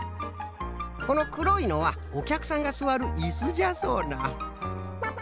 このくろいのはおきゃくさんがすわるいすじゃそうな。